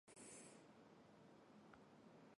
谭凯文父母都是台湾移民。